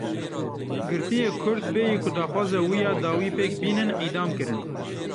Girtiyê Kurd bêyî ku daxwaza wî ya dawî pêk bînin îdam kirin.